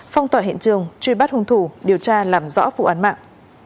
phong tỏa hiện trường truy bắt hung thủ điều tra làm rõ vụ án mạng